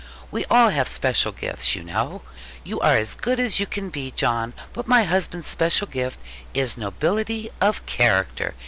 We all have special gifts, you know. You are as good as you can be, John; but my husband's special gift is nobility of character.'